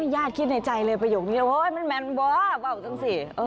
ยาธิ์คิดในใจเลยประโยคนี้มันแมนบ้าเบาจังสิ